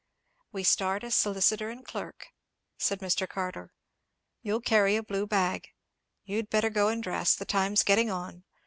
"We start as solicitor and clerk," said Mr. Carter. "You'll carry a blue bag. You'd better go and dress: the time's getting on.